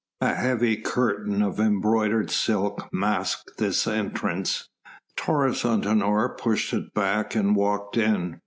A heavy curtain of embroidered silk masked this entrance. Taurus Antinor pushed it back and walked in.